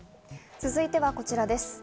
続いてはこちらです。